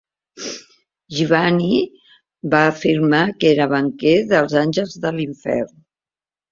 Gillani va afirmar que era banquer dels Àngels de l'Infern.